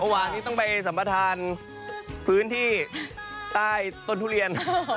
เมื่อวานนี้ต้องไปสัมประธานพื้นที่ใต้ต้นทุเรียน